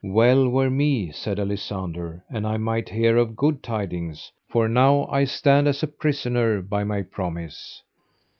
Well were me, said Alisander, an I might hear of good tidings, for now I stand as a prisoner by my promise.